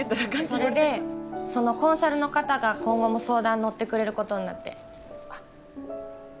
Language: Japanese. それでそのコンサルの方が今後も相談乗ってくれることになってあっ